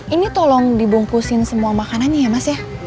ini tolong dibungkusin semua makanannya ya mas ya